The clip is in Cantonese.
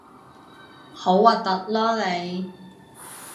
好核突囉你